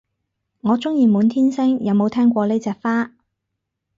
我鍾意滿天星，有冇聽過呢隻花